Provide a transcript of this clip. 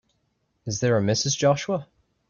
Is there a Mrs. Joshua?